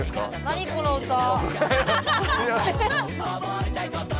何この歌。